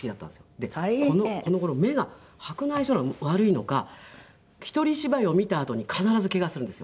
でこの頃目が白内障なのか悪いのかひとり芝居を見たあとに必ずケガするんですよ。